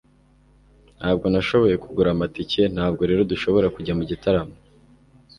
ntabwo nashoboye kugura amatike, ntabwo rero dushobora kujya mu gitaramo